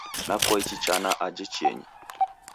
nakua ichi chana aje chienyi.